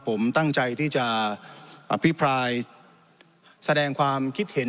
ผมตั้งใจที่จะอภิปรายแสดงความคิดเห็น